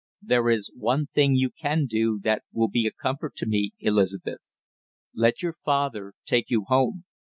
"There is one thing you can do that will be a comfort to me, Elizabeth; let your father take you home!"